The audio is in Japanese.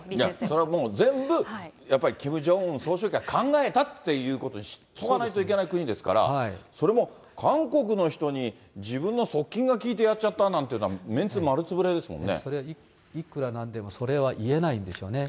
それは全部やっぱりキム・ジョンウン総書記が考えたということにしとかないといけない国ですから、それも韓国の人に自分の側近が聞いてやっちゃったなんていうのは、それ、いくらなんでもそれは言えないんでしょうね。